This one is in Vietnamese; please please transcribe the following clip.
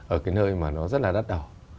ở cái nơi mà nó rất là đắt đầu